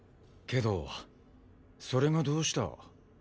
けどそれがどうした。